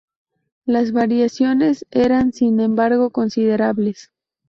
Las variaciones eran, sin embargo, considerables.